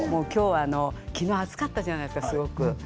昨日暑かったじゃないですかすごく。